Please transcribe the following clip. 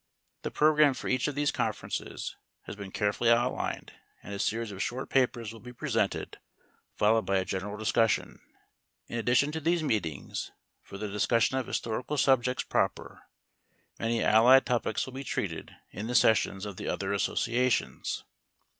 The program for each of these conferences has been carefully outlined and a series of short papers will be presented followed by a general discussion. In addition to these meetings for the discussion of historical subjects proper, many allied topics will be treated in the sessions of the other associations.